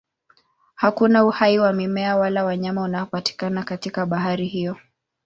Hakuna uhai wa mimea wala wanyama unaopatikana katika bahari hiyo.